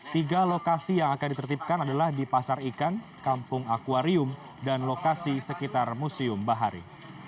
tiga lokasi yang akan ditertipkan adalah di pasar ikan kampung akwarium dan lokasi sekitar museum bahari